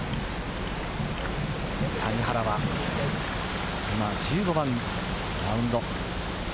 谷原は今１５番のラウンド。